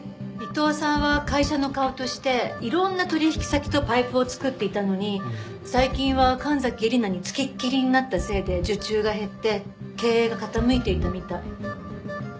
伊藤さんは会社の顔としていろんな取引先とパイプを作っていたのに最近は神崎えりなに付きっきりになったせいで受注が減って経営が傾いていたみたい。